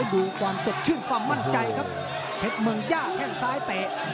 ดูความสดชื่นความมั่นใจครับเพชรเมืองย่าแข้งซ้ายเตะ